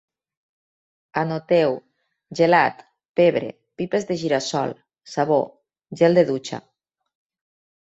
Anoteu: gelat, pebre, pipes de gira-sol, sabó, gel de dutxa